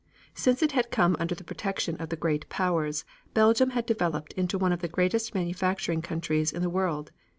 Since it had come under the protection of the Great Powers, Belgium had developed into one of the greatest manufacturing countries in the world.